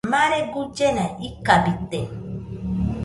Mare guillena ikabite.